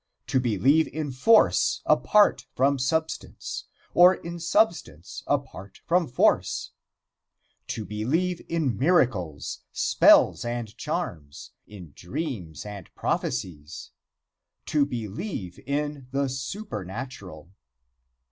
To believe in force apart from substance, or in substance apart from force. To believe in miracles, spells and charms, in dreams and prophecies. To believe in the supernatural.